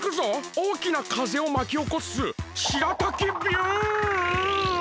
おおきなかぜをまきおこすしらたきビュン！